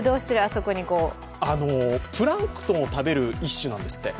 プランクトンを食べる一種なんですって。